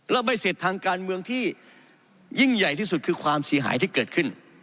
และใบเสร็จทางการเมืองที่ยิ่งใหญ่ที่สุดคือความเสียหายที่เกิดขึ้น